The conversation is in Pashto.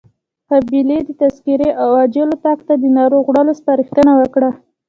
قابلې د تذکرې او عاجل اتاق ته د ناروغ وړلو سپارښتنه وکړه.